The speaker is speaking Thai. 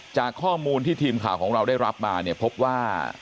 จากข้อมูลที่ทีมข่าวของเราได้รับมาเนี่ยพบว่า